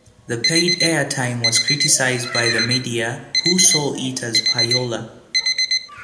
The paid air time was criticized by the media, who saw it as "payola".